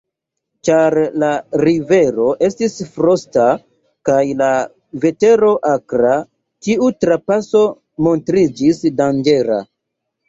Ĉar la rivero estis frosta kaj la vetero akra, tiu trapaso montriĝis danĝera.